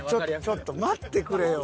ちょっと待ってくれよ。